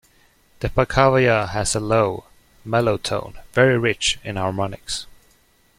The pakhavaja has a low, mellow tone, very rich in harmonics.